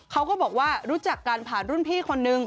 เขาก็บอกว่ารู้จักกันผ่านรุ่นพี่คนนึง